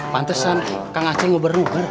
pantesan kang aceh ngeber uber